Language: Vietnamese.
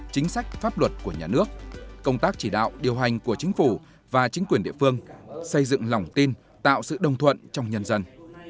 chính sách pháp luật của nhà nước công tác chỉ đạo điều hành của chính phủ và chính quyền địa phương xây dựng lòng tin tạo sự đồng thuận trong nhân dân